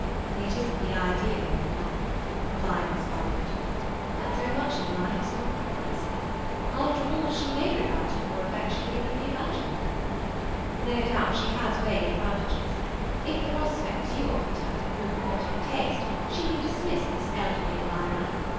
"It isn't the ideal wedlock," replied Miss Barfoot. "But so much in life is compromise. After all, she may regard him more affectionally than we imagine." "No doubt she has weighed advantages. If the prospects you offered her had proved more to her taste she would have dismissed this elderly admirer.